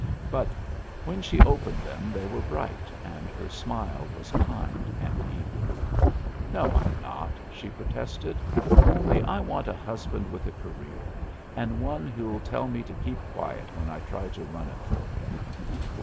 But when she opened them they were bright, and her smile was kind and eager. "No, I'm not," she protested; "only I want a husband with a career, and one who'll tell me to keep quiet when I try to run it for him."